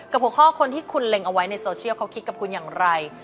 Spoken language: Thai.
หัวข้อคนที่คุณเล็งเอาไว้ในโซเชียลเขาคิดกับคุณอย่างไร